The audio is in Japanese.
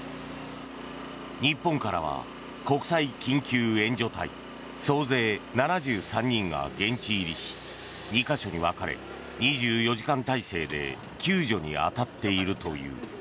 日本からは国際緊急援助隊総勢７３人が現地入りし２か所に分かれ、２４時間態勢で救助に当たっているという。